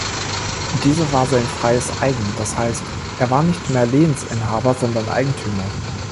Diese war sein freies Eigen, das heißt, er war nicht mehr Lehensinhaber, sondern Eigentümer.